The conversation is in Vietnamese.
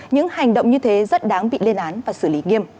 những hành động như thế rất đáng bị lên án và xử lý nghiêm